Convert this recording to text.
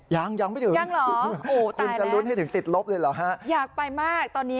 ยังยังไม่ถึงยังคุณจะลุ้นให้ถึงติดลบเลยเหรอฮะอยากไปมากตอนนี้